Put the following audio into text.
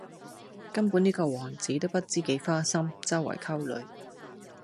根本呢個王子都不知幾花心,周圍溝女